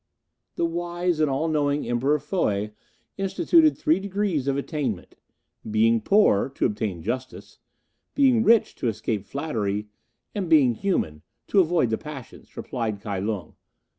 "The wise and all knowing Emperor Fohy instituted three degrees of attainment: Being poor, to obtain justice; being rich, to escape flattery; and being human, to avoid the passions," replied Kai Lung.